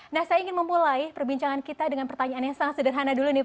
nah saya ingin memulai perbincangan kita dengan pertanyaan yang sangat sederhana dulu nih